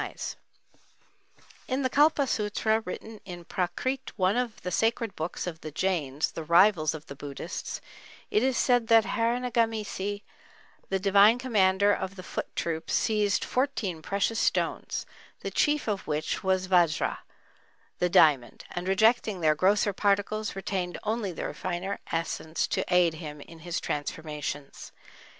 In the Kalpa Sutra, written in Prakrit, one of the sacred books of the Jains, the rivals of the Buddhists, it is said that Harinegamesi, the divine commander of the foot troops, seized fourteen precious stones, the chief of which was vajra, the diamond, and rejecting their grosser particles, retained only the finer essence to aid him in his transformations.